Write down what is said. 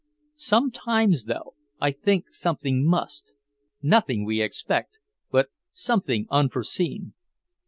Sometimes, though, I think something must.... Nothing we expect, but something unforeseen."